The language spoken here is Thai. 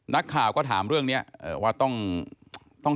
นักข่าวก็ถามเรื่องนี้ว่าต้อง